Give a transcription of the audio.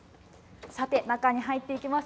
さて、中に入っていきます。